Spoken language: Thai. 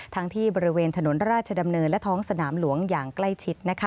ทั้งที่บริเวณถนนราชดำเนินและท้องสนามหลวงอย่างใกล้ชิด